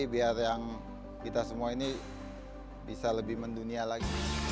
biar yang kita semua ini bisa lebih mendunia lagi